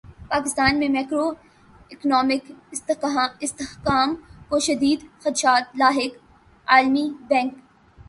پاکستان میں macroeconomic استحکام کو شدید خدشات لاحق عالمی بینک